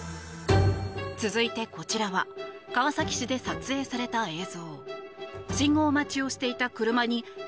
続いてこちらは川崎市で撮影された映像。